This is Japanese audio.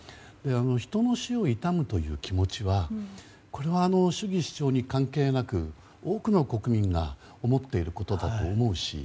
人の死を悼むという気持ちはこれは主義主張に関係なく多くの国民が思っていることだと思うし。